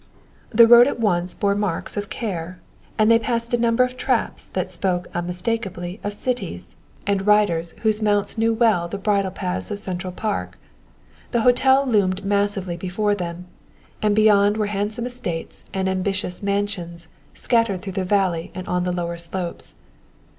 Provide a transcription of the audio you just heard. The road at once bore marks of care; and they passed a number of traps that spoke unmistakably of cities, and riders whose mounts knew well the bridle paths of Central Park. The hotel loomed massively before them, and beyond were handsome estates and ambitious mansions scattered through the valley and on the lower slopes.